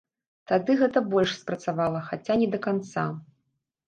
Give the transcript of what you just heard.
Тады гэта больш спрацавала, хаця не да канца.